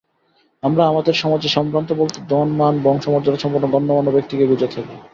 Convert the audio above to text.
আমরা আমাদের সমাজে সম্ভ্রান্ত বলতে ধন, মান, বংশমর্যাদাসম্পন্ন গণ্যমান্য ব্যক্তিকেই বুঝে থাকি।